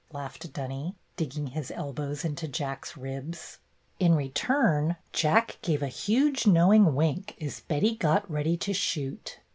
laughed Dunny, digging his elbows into Jack's ribs. In return. Jack gave a huge knowing wink as Betty got ready to shoot.